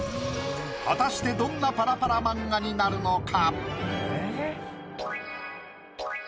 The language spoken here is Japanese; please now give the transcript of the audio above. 果たしてどんなパラパラ漫画になるのか？